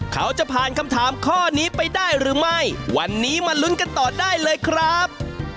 เขาจะผ่านคำถามข้อนี้ไปได้หรือไม่วันนี้มาลุ้นกันต่อได้เลยครับ